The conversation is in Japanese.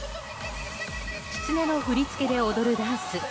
キツネの振り付けで踊るダンス。